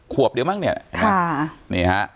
ขวบเดียวมั้งเนี่ย